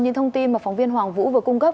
những thông tin mà phóng viên hoàng vũ vừa cung cấp